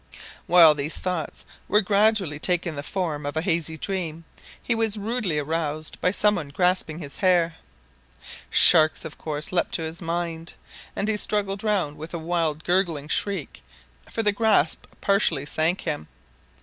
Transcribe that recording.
While these thoughts were gradually taking the form of a hazy dream, he was rudely aroused by something grasping his hair. Sharks, of course, leaped to his mind, and he struggled round with a wild gurgling shriek, for the grasp partially sank him.